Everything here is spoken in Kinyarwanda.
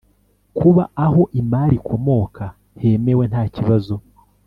kuba aho imari ikomoka hemewe ntakibazo